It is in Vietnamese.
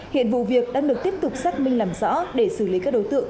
hiện vụ việc đang được tiếp tục xác minh làm rõ để xử lý các đối tượng